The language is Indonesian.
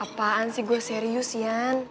apaan sih gue serius ya